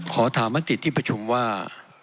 ขอถามมติที่ประชุมว่า